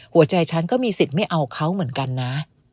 หัวใจฉันก็มีสิทธิ์ไม่เอาเขาเหมือนกันนะ